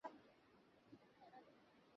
প্রথম ডেটেই সঙ্গীকে বাড়িতে আনতে পারবো না।